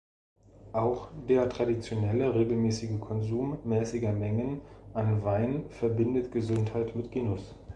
Auch der traditionelle, regelmäßige Konsum mäßiger Mengen an Wein verbindet Gesundheit mit Genuss.